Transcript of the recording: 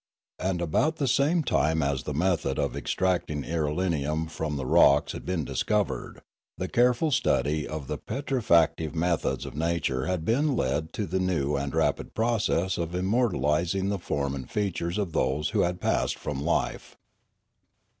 And about the same time as the method of extracting irelium from the rocks had been dis covered, the careful study of the petr if active methods of nature had led to the new and rapid process of im mortalising the form and features of those who had passed from life.